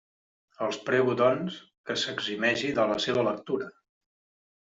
Els prego, doncs, que s'eximeixi de la seva lectura.